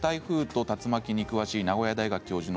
台風と竜巻に詳しい名古屋大学教授の